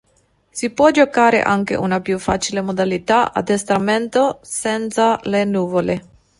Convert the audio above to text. Si può giocare anche una più facile modalità "addestramento", senza le nuvole.